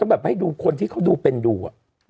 แบบให้ดูคนที่เขาดูเป็นดูอะ